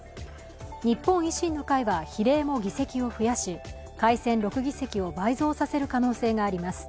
日本維新の会は比例も議席を増やし改選６議席を倍増させる可能性があります。